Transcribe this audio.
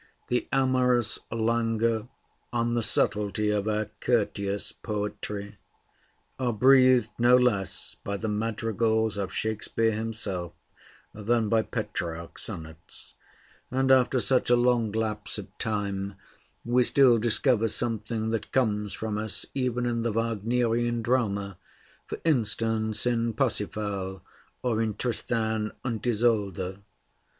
The amorous languor and the subtlety of our "courteous poetry" are breathed no less by the madrigals of Shakespeare himself than by Petrarch's sonnets; and after such a long lapse of time we still discover something that comes from us even in the Wagnerian drama, for instance in 'Parsifal' or in 'Tristan and Isolde.'